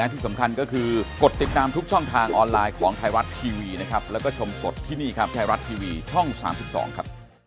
ที่ไทยรัฐทีวีช่อง๓๒ครับ